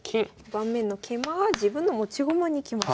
盤面の桂馬は自分の持ち駒に来ました。